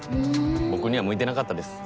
僕には向いてなかったです。